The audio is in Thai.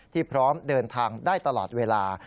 พร้อมเดินทางได้ตลอดเวลา